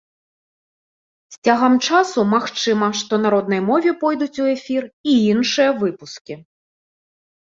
З цягам часу, магчыма, што на роднай мове пойдуць у эфір і іншыя выпускі.